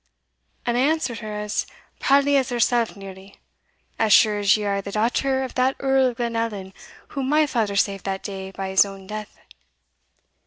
And I answered her as proudly as hersell nearly As sure as you are the daughter of that Earl of Glenallan whom my father saved that day by his own death.